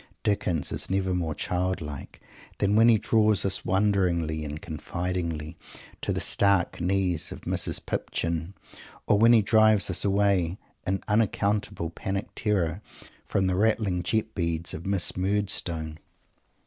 Dickens is never more childlike than when he draws us, wonderingly and confidingly, to the stark knees of a Mrs. Pipchin, or when he drives us away, in unaccountable panic terror, from the rattling jet beads of a Miss Murdstone.